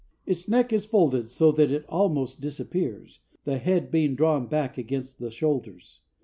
Its neck is folded so that it almost disappears, the head being drawn back against the shoulders.